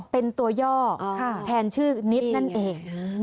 เป็นตัวย่อแทนชื่อนิดนั่นเอง